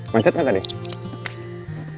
mancet gak tadi